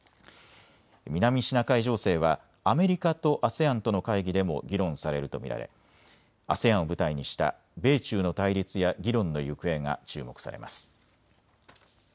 南シナ海情勢はアメリカとＡＳＥＡＮとの会議でも議論されると見られＡＳＥＡＮを舞台にした米中の対立や議論の行方が注目されます。